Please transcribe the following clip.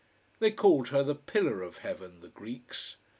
They called her the Pillar of Heaven, the Greeks.